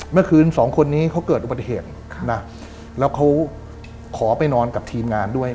เมื่อคืนสองคนนี้เขาเกิดอุบัติเหตุนะแล้วเขาขอไปนอนกับทีมงานด้วย